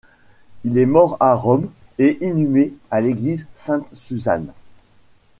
Il est mort à Rome et inhumé à l'Église Sainte-Suzanne.